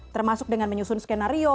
termasuk dengan menyusun skenario